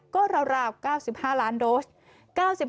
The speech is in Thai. ก็ราว๙๕ล้านโดส